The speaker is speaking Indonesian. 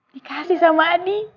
dikasih sama adi